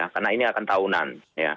karena ini akan tahunan